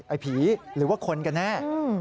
ไอ้ผีหรือว่าคนกันแน่